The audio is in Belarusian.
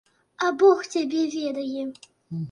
А бог цябе ведае.